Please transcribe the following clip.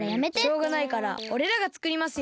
しょうがないからおれらがつくりますよ。